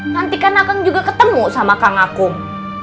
nanti kan akan juga ketemu sama kang akung